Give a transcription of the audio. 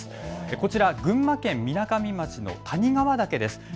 こちら、群馬県みなかみ町の谷川岳です。